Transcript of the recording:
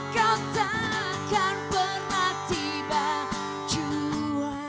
kau tak akan pernah tiba jua